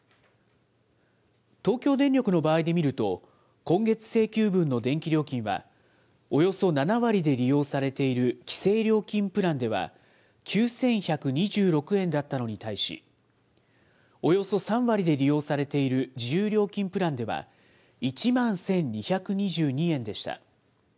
東京電力の場合で見ると、今月請求分の電気料金は、およそ７割で利用されている規制料金プランでは９１２６円だったのに対し、およそ３割で利用されている自由料金プランでは１万１２２２円でした。